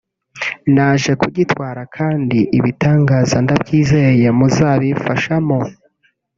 naje kugitwara kandi Ibitangaza ndabyizeye muzabimfashamo